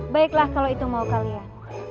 baiklah kalau itu mau kalian